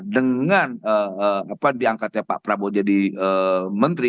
dengan diangkatnya pak prabowo jadi menteri